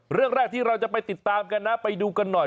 เรื่องแรกที่เราจะไปติดตามกันนะไปดูกันหน่อย